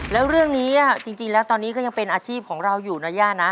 แล้วเรื่องนี้จริงแล้วตอนนี้ก็ยังเป็นอาชีพของเราอยู่นะย่านะ